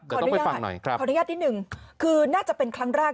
เดี๋ยวต้องไปฟังหน่อยครับขออนุญาตนิดหนึ่งคือน่าจะเป็นครั้งแรก